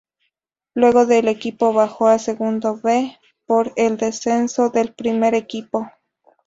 Luego el equipo bajó a Segunda B por el descenso del primer equipo.